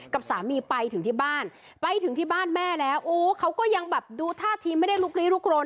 กับสามีไปถึงที่บ้านไปถึงที่บ้านแม่แล้วโอ้เขาก็ยังแบบดูท่าทีไม่ได้ลุกลี้ลุกโรน